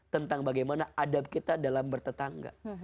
tentang bagaimana adab kita dalam bertetangga